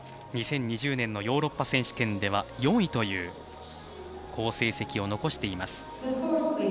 ２０２０年のヨーロッパ選手権では４位という好成績を残しています。